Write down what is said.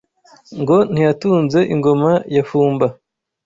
Ngo ntiyatunze ingoma ya Fumba